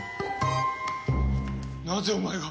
なぜお前が！